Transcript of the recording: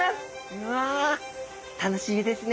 うわ楽しみですね。